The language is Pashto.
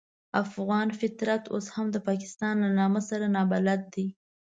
افغان فطرت اوس هم د پاکستان له نامه سره نابلده دی.